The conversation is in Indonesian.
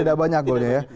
tidak banyak gol ya